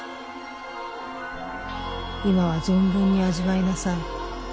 今は存分に味わいなさい